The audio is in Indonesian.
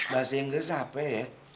bahasa inggris apa ya